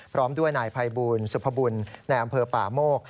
พร้อมด้วยนายภัยบูลสุภบุญในอำเภอป่าโมก